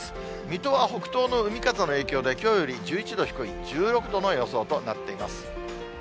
水戸は北東の海風の影響で、きょうより１１度低い１６度の予想となっています。